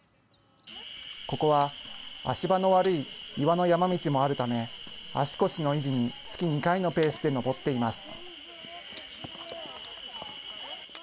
ここは足場の悪い岩の山道もあるため、足腰の維持に月２回のペースで登っています。